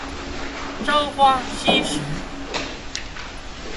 朝花夕拾